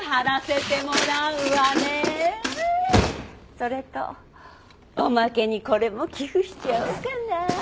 それとおまけにこれも寄付しちゃおうかな。